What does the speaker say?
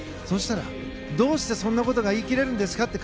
そうしたら、どうしてそんなことが言い切れるんですか？